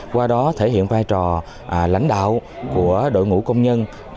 qua đó thể hiện vai trò lãnh đạo của đội ngũ công nhân